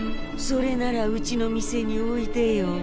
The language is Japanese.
それならうちの店においでよ。